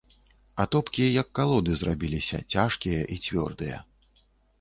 Атопкі, як калоды, зрабіліся цяжкія і цвёрдыя.